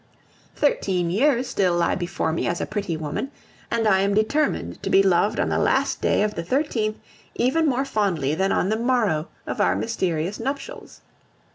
Thirteen years still lie before me as a pretty woman, and I am determined to be loved on the last day of the thirteenth even more fondly than on the morrow of our mysterious nuptials.